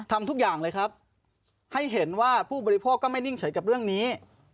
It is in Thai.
ทำทุกอย่างเลยครับให้เห็นว่าผู้บริโภคก็ไม่นิ่งเฉยกับเรื่องนี้